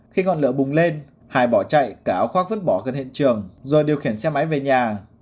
khi ngọn lửa bùng lên hải bỏ chạy cảo khoác vứt bỏ gần hiện trường rồi điều khiển xe máy về nhà